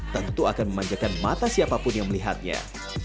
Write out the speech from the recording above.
tentu akan memanjakan mata siapapun yang melihatnya